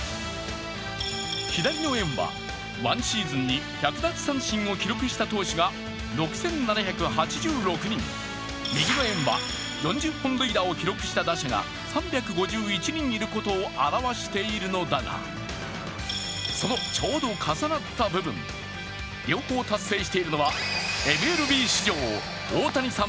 左の円は１シーズンに１００奪三振を記録した投手が６７８６人、右の円は４０本塁打を記録した打者が３５１人いることを表しているのだが、そのちょうど重なった部分、両方達成しているのはＭＬＢ史上、大谷さん